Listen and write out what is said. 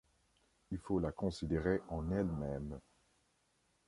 Il faut la considérer en elle-même.